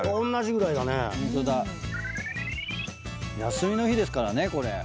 休みの日ですからねこれ。